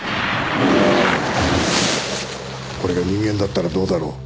これが人間だったらどうだろう？